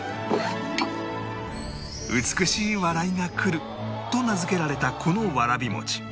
美しい笑いが来ると名付けられたこのわらび餅